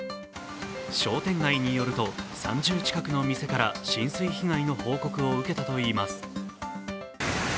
商店街によると、３０近くの店から浸水被害の報告を受けたといいます。